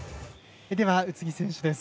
宇津木選手です。